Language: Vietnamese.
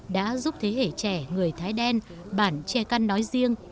đã giúp thế hệ trẻ người thái đen bản che căn nói riêng